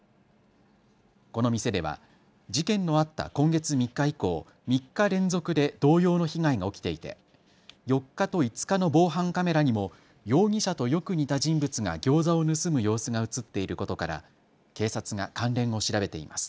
この店では事件のあった今月３日以降、３日連続で同様の被害が起きていて、４日と５日の防犯カメラにも容疑者とよく似た人物がギョーザを盗む様子が映っていることから警察が関連を調べています。